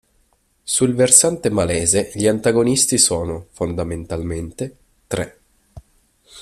Sul versante malese, gli antagonisti sono, fondamentalmente, tre.